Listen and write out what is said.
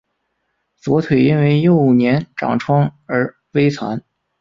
左腿因为幼年长疮而微残。